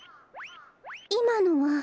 いまのは？